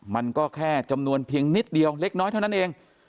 มันก็แค่จำนวนเพียงนิดเดียวเล็กน้อยเท่านั้นเอง